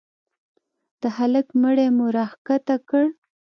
د هلك مړى مو راکښته کړ.